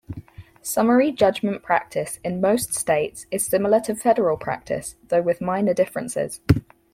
Summary-judgment practice in most states is similar to federal practice, though with minor differences.